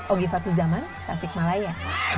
ogifat huzaman tasik malaya